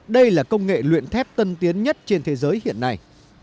đây là công nghệ luyện thép tân tiến nhất trên thế giới hiện nay